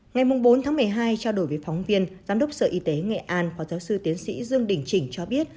ngày bốn một mươi hai trao đổi với phóng viên giám đốc sở y tế nghệ an phó giáo sư tiến sĩ dương đình chỉnh cho biết